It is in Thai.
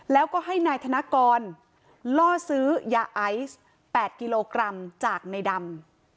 แล้วก็ให้นายธนกรล่อซื้อยาไอซ์๘กิโลกรัมจากในดำ